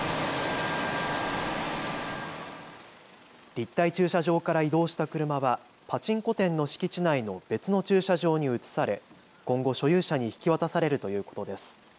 立体駐車場から移動した車はパチンコ店の敷地内の別の駐車場に移され、今後所有者に引き渡されるということです。